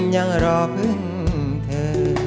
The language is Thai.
ยังรอพึ่งเธอ